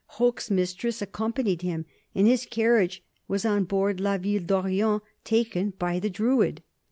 Hoche's mistress accompanied him, and his carriage was on board 'La Ville d'Orient,' taken by the 'Druid.'